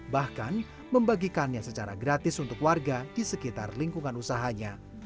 bahkan membagikannya secara gratis untuk warga di sekitar lingkungan usahanya